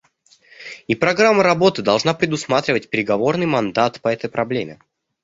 И программа работы должна предусматривать переговорный мандат по этой проблеме.